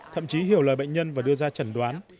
thậm chí hiểu lời bệnh nhân và đưa ra chẩn đoán